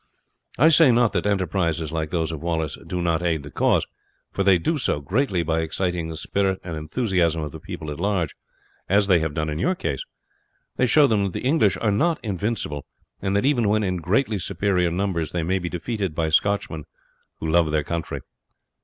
I say not that enterprises like those of Wallace do not aid the cause, for they do so greatly by exciting the spirit and enthusiasm of the people at large, as they have done in your case. They show them that the English are not invincible, and that even when in greatly superior numbers they may be defeated by Scotchmen who love their country.